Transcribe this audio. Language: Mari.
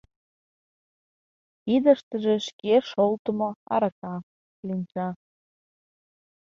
Кидыштыже шке шолтымо арака кленча.